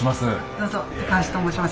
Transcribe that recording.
どうぞ高橋と申します。